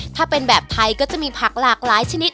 ถ้าเป็นแบบไทยก็จะมีผักหลากหลายชนิด